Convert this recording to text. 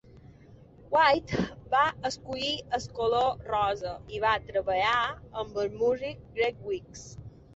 White va escollir el color rosa, i va treballar amb el músic Greg Weeks.